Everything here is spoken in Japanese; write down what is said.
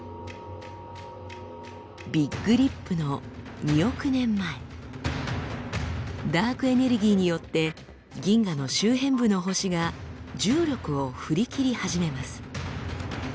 ビッグリップの２億年前ダークエネルギーによって銀河の周辺部の星が重力を振り切り始めます。